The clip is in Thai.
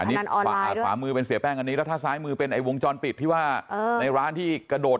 อันนี้ขวามือเป็นเสียแป้งอันนี้แล้วถ้าซ้ายมือเป็นไอ้วงจรปิดที่ว่าในร้านที่กระโดด